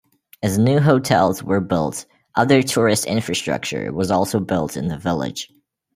As new hotels were built, other tourist infrastructure was also built in the village.